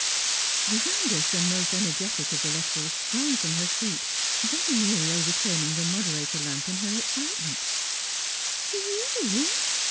The youngest and most energetic of the Luttrells sprang from her seat, very nearly overturning the nv)derator lamp in her excitement. " To you